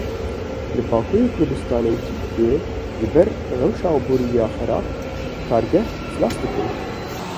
Li Bakurê Kurdistanê û Tirkiyeyê ji ber rewşa aborî ya xerab kargeh îflas dikin.